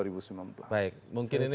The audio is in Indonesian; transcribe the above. baik mungkin ini